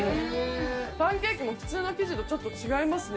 パンケーキも普通の生地とちょっと違いますね。